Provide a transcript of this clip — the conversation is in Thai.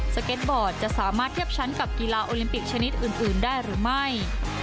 เก็ตบอร์ดจะสามารถเทียบชั้นกับกีฬาโอลิมปิกชนิดอื่นได้หรือไม่